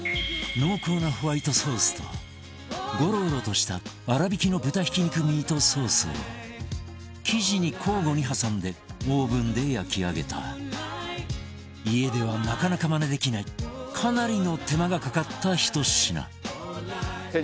濃厚なホワイトソースとゴロゴロとした粗びきの豚ひき肉ミートソースを生地に交互に挟んでオーブンで焼き上げた家ではなかなかマネできないかなりの手間がかかったひと品